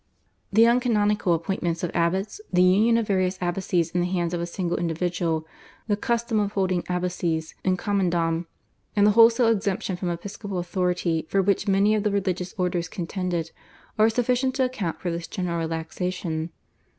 The uncanonical appointment of abbots, the union of various abbacies in the hands of a single individual, the custom of holding abbacies /in commendam/, and the wholesale exemption from episcopal authority for which many of the religious orders contended, are sufficient to account for this general relaxation.